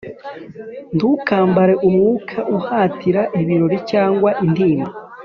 ntukambare umwuka uhatira ibirori cyangwa intimba.